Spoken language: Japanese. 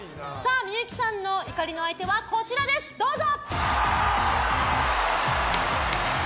幸さんの怒りの相手はこちらです、どうぞ！